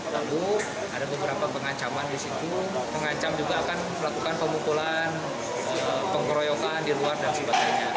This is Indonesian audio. lalu ada beberapa pengancaman di situ pengancam juga akan melakukan pemukulan penggeroyokan di luar dan sebagainya